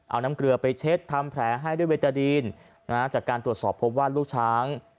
เอาน้ำเกลือไปเช็ดทำแผลให้ด้วยเวตาดีนจากการตรวจสอบพบว่าลูกช้าง